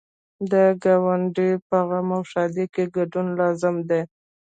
د ګاونډي په غم او ښادۍ کې ګډون لازمي دی.